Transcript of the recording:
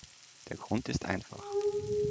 Der Grund ist einfach.